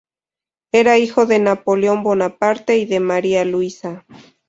Era hijo de Napoleón Bonaparte y de María Luisa.